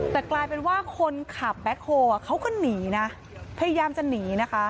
แต่กลายเป็นว่าคนขับแบ็คโฮลเขาก็หนีนะพยายามจะหนีนะคะ